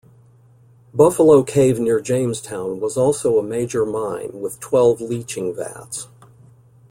Buffalo Cave near Jamestown was also a major mine with twelve leaching vats.